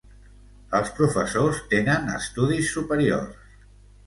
Els professors tenen estudis superiors.